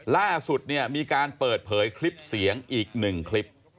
ล่าสุดเนี่ยมีการเปิดเผยคลิปเสียงอีก๑คลิป